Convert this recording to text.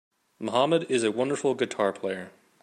Mohammed is a wonderful guitar player.